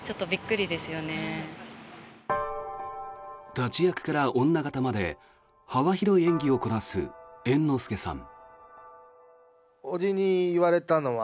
立ち役から女形まで幅広い演技をこなす猿之助さん。